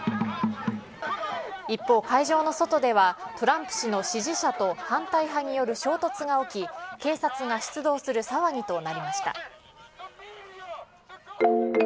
一方、会場の外ではトランプ氏の支持者と反対派による衝突が起き警察が出動する騒ぎとなりました。